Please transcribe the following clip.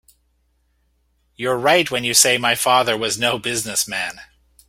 You're right when you say my father was no business man.